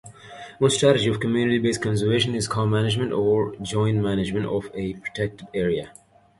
One strategy of community-based conservation is co-management or joint management of a protected area.